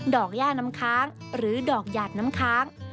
ดอกหญ้าน้ำค้างหรือดอกหญาดน้ำค้าง